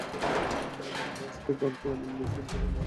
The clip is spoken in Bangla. জাসদের প্রার্থী আমিনুল ইসলাম খোকন নির্বাচনে দুই লাখ টাকা ব্যয় করবেন।